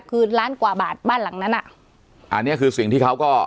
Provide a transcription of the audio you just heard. คือล้านกว่าบาทบ้านหลังนั้นอ่ะอันเนี้ยคือสิ่งที่เขาก็